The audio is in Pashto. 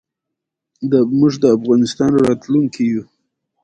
ازادي راډیو د امنیت په اړه د راتلونکي هیلې څرګندې کړې.